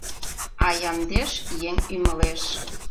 А ямдеш, еҥ ӱмылеш